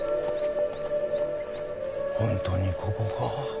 本当にここか？